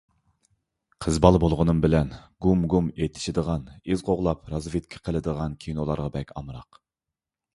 قىز بالا بولغىنىم بىلەن گۇم-گۇم ئېتىشىدىغان، ئىز قوغلاپ رازۋېدكا قىلىدىغان كىنولارغا بەك ئامراق.